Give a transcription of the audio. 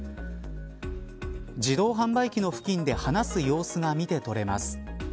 自動販売機の付近で話す様子が見て取れます。